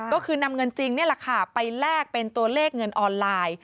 ก็คือนำเงินจริงนี่แหละค่ะไปแลกเป็นตัวเลขเงินออนไลน์